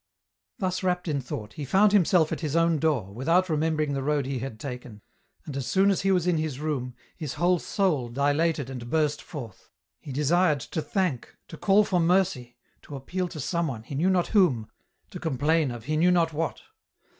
Thus wrapped in thought, he found himself at his own door, without remembering the road he had taken, and as soon as he was in his room, his whole soul dilated and $6 EN ROUTE. burst forth. He desired to thank, to call for mercy, to appeal to someone, he knew not whom, to complain of he knew not what.